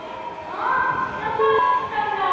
あっだからきてたんだ。